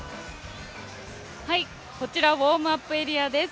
こちら、ウォームアップエリアです。